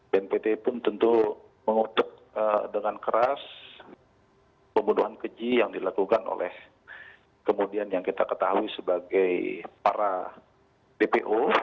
bnpt pun tentu mengutuk dengan keras pembunuhan keji yang dilakukan oleh kemudian yang kita ketahui sebagai para dpo